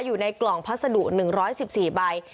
อยู่ในกล่องพัสดุหนึ่งร้อยสิบสี่ใบ